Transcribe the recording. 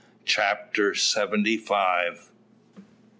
CHAPTER SEVENTY FIVE.